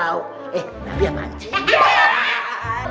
eh rugby apaan sih